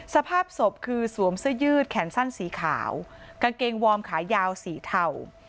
สภาพศพคือสวมเสื้อยืดแขนสั้นสีขาวกางเกงวอร์มขายาวสีเทา